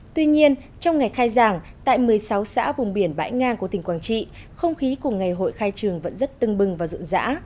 tuy nhiên trong ngày khai giảng tại một mươi sáu xã vùng biển bãi nga của tỉnh quảng trị không khí của ngày hội khai trường vẫn rất tưng bừng và ruộng dã